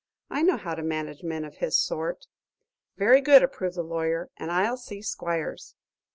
"I know how to manage men of his sort." "Very good," approved the lawyer, "and I'll see Squiers."